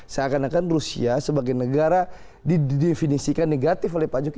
seakan akan rusia sebagai negara didefinisikan negatif oleh pak jokowi